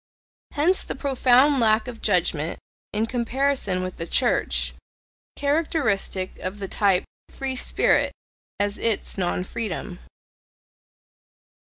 Hence the profound lack of judgment, in comparison with the Church, characteristic of the type "free spirit" as ITS non freedom.